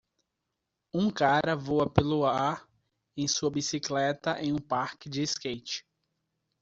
Um cara voa pelo ar em sua bicicleta em um parque de skate.